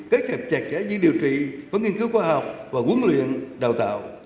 kết hợp chặt chẽ dưới điều trị với nghiên cứu khoa học và huấn luyện đào tạo